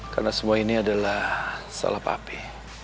karena semua ini adalah salah papi